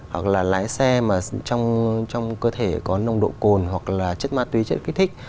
hoặc là lái xe mà trong cơ thể có nồng độ cồn hoặc là chất ma túy chất kích thích